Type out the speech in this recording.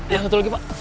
ya betul lagi pak